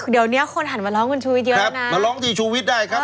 เดี๋ยวนี้คนหันมาร้องที่ชุวิตเยอะนะมาร้องที่ชุวิตได้ครับ